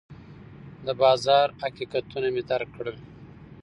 د بازار حقیقتونه مې درک کړل.